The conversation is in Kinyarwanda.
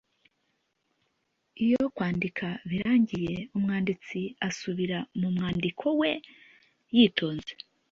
Iyo kwandika birangiye ,umwanditsi asubira mu mwandiko we yitonze